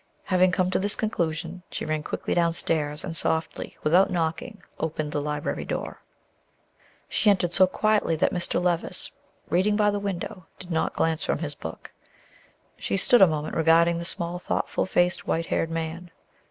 Having come to this conclusion, she ran quickly downstairs, and softly, without knocking, opened the library door. She entered so quietly that Mr. Levice, reading by the window, did not glance from his book. She stood a moment regarding the small thoughtful faced, white haired man.